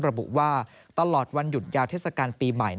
ระบุว่าตลอดวันหยุดยาวเทศกาลปีใหม่